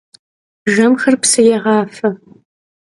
Jjemxer psı yêğafe!